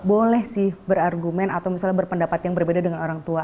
boleh sih berargumen atau misalnya berpendapat yang berbeda dengan orang tua